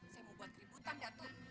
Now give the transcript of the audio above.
saya mau buat keributan datuk